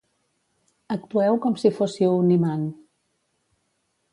Actueu com si fóssiu un imant.